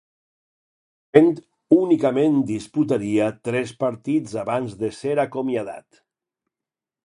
L'any següent, únicament disputaria tres partits abans de ser acomiadat.